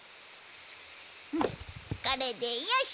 これでよし！